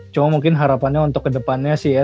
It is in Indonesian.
cuma mungkin harapannya untuk kedepannya sih ya